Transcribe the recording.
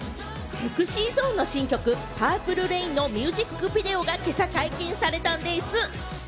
『ＳｅｘｙＺｏｎｅ』の新曲『ＰｕｒｐｌｅＲａｉｎ』のミュージックビデオが今朝、解禁されたんでぃす！